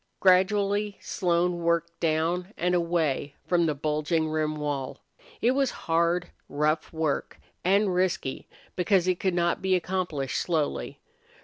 Gradually Slone worked down and away from the bulging rim wall. It was hard, rough work, and risky because it could not be accomplished slowly.